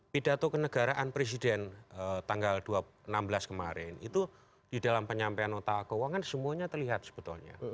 pidato kenegaraan presiden tanggal enam belas kemarin itu di dalam penyampaian nota keuangan semuanya terlihat sebetulnya